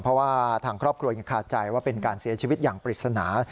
เพราะว่าทางครอบครัวยังขาดใจว่าเป็นการเสียชีวิตอย่างปริศนา